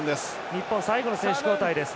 日本、最後の選手交代です。